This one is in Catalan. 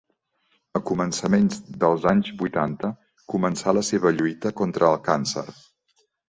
A començaments dels anys vuitanta començà la seua lluita contra el càncer.